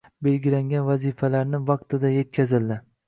Belgilangan vazifalarni vaqtida yetkazildi.